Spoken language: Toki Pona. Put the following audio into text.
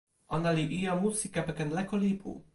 ona li ijo musi kepeken leko lipu.